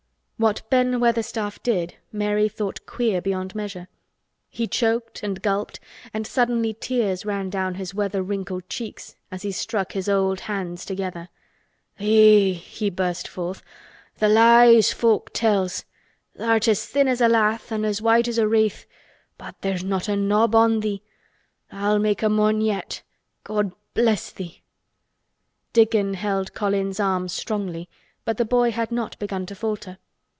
What Ben Weatherstaff did Mary thought queer beyond measure. He choked and gulped and suddenly tears ran down his weather wrinkled cheeks as he struck his old hands together. "Eh!" he burst forth, "th' lies folk tells! Tha'rt as thin as a lath an' as white as a wraith, but there's not a knob on thee. Tha'lt make a mon yet. God bless thee!" Dickon held Colin's arm strongly but the boy had not begun to falter.